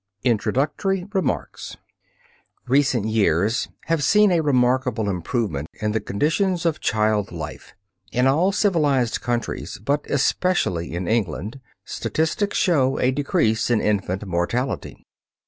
MONTESSORI'S OWN HANDBOOK Recent years have seen a remarkable improvement in the conditions of child life. In all civilized countries, but especially in England, statistics show a decrease in infant mortality.